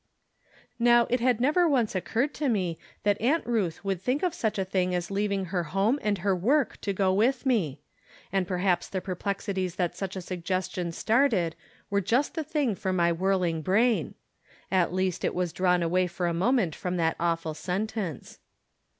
Now, it had never once occurred to me that Aunt Ruth would think of such a thing as leav ing her home and her work to go with me. And perhaps the perplexities that such a suggestion started were just the thing for my wliirling brain ; From Different Standpoints. 69 at least it "was drawn away for a moment from that awful sentence.